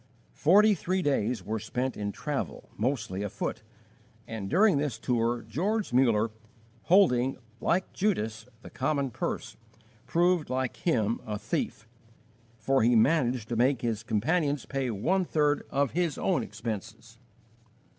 Forty three days were spent in travel, mostly afoot; and during this tour George Muller, holding, like Judas, the common purse, proved, like him, a thief, for he managed to make his companions pay one third of his own expenses.